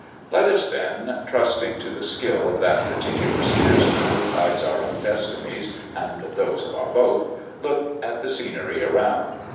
Let us then, trusting to the skill of that particular steersman who guides our own destinies and those of our boat, look at the scenery around.